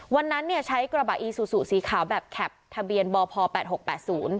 วันนั้นเนี่ยใช้กระบะอีซูซูสีขาวแบบแคปทะเบียนบพแปดหกแปดศูนย์